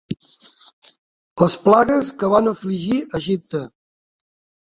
Les plagues que van afligir Egipte.